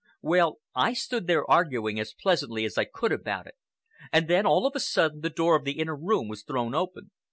Well, I stood there arguing as pleasantly as I could about it, and then all of a sudden the door of the inner room was thrown open.